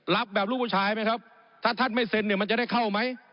รับแบบลูกผู้ชายไหมครับถ้าท่านไม่เซ็นเนี่ยมันจะได้เข้าไหม